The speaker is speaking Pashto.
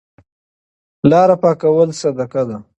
لاره پاکول صدقه ده.